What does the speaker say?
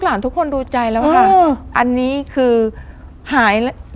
หลานทุกคนดูใจแล้วค่ะอันนี้คือหาย